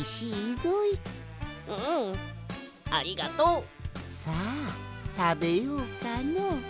うんありがとう！さあたべようかの。